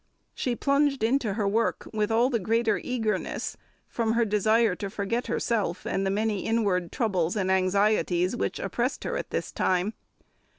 She plunged into her work with all the greater eagerness from her desire to forget herself and the many inward troubles and anxieties which oppressed her at this time.